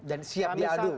dan siap diadu